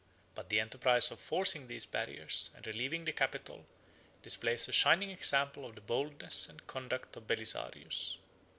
But the enterprise of forcing these barriers, and relieving the capital, displays a shining example of the boldness and conduct of Belisarius.